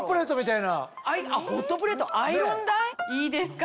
いいですか？